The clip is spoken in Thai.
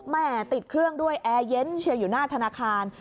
ติดเครื่องด้วยแอร์เย็นเชียร์อยู่หน้าธนาคาร